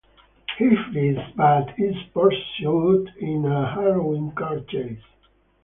He flees, but is pursued in a harrowing car chase.